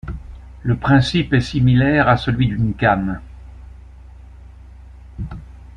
Le principe est similaire à celui d'une came.